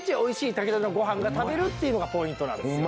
炊きたてのごはんが食べれるっていうのがポイントなんですよね。